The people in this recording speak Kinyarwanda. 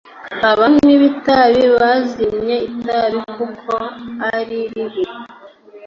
abanywi b’itabi bazimye itabi kuko ari ribi